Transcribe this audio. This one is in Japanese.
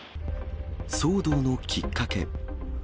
騒動のきっかけ。